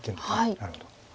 なるほど。